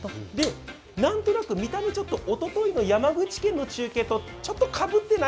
何となく見た目、おとといの山口県の中継とちょっとかぶってない？